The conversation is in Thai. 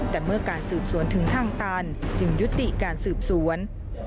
แต่เมื่อการสืบสวนถึงทางตันจึงยุติการสืบสวน